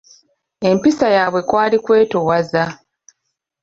Empisa yaabwe kwali kwetoowaza.